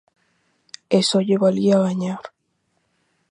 E só lle valía gañar.